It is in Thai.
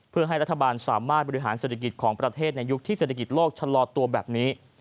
เพื่อให้รัฐบาลสามารถบริหารเศรษฐกิจของประเทศในยุคที่เศรษฐกิจโลกชะลอตัวแบบนี้